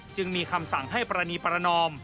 จึงมีคำสั่งให้ปรณีประนอม